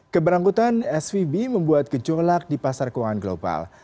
keberangkutan svb membuat gejolak di pasar keuangan global